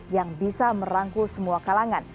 yang bisa merangkul semua kalangan